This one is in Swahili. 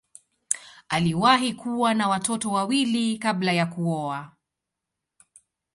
Aliwahi kuwa na watoto wawili kabla ya kuoa.